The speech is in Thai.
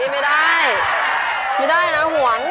ไม่ได้ไม่ได้นะห่วง